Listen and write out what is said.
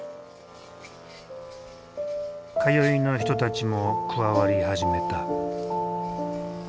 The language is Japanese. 通いの人たちも加わり始めた。